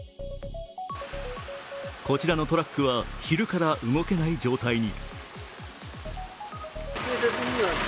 こちらのトラックは昼から動けない状態に。